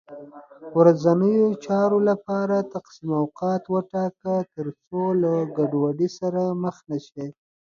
ورځنیو چارو لپاره تقسیم اوقات وټاکه، تر څو له ګډوډۍ سره مخ نه شې